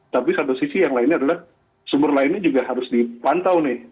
tapi satu sisi yang lainnya adalah sumber lainnya juga harus dipantau nih